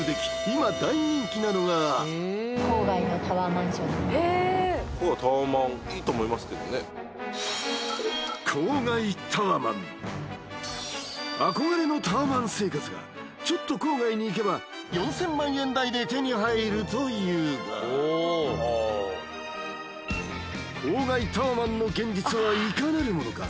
今大人気なのが憧れのタワマン生活はちょっと郊外に行けば４０００万円台で手に入るというが郊外タワマンの現実はいかなるものか？